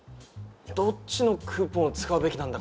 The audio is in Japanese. どっちのクーポンを使うべきなんだ？